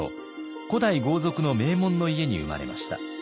古代豪族の名門の家に生まれました。